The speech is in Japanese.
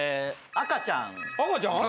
赤ちゃん。